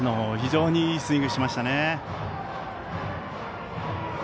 非常にいいスイングをしましたね。